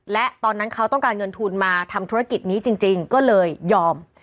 และตอนนั้นเขาต้องการเงินทุนมาทำธุรกิจนี้จริงก็เลยยอม